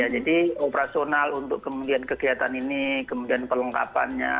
jadi operasional untuk kemudian kegiatan ini kemudian pelengkapannya